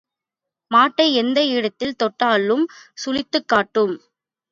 மாட்டை எந்த இடத்தில் தொட்டாலும் சுளித்துக் காட்டும்.